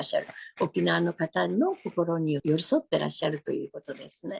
沖縄の方の心に寄り添ってらっしゃるということですね。